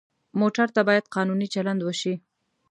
موټر ته باید قانوني چلند وشي.